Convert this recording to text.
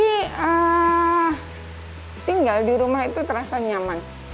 yang pasti tinggal di rumah itu terasa nyaman